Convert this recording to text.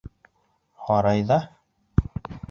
Һарайҙа?